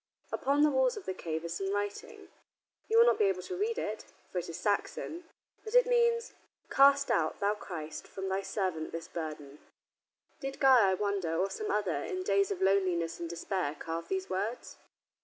Upon the walls of the cave is some writing. You will not be able to read it, for it is Saxon, but it means, "Cast out, Thou Christ, from Thy servant this burden." Did Guy, I wonder, or some other, in days of loneliness and despair, carve these words?